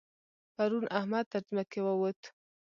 پرون احمد تر ځمکې ووت.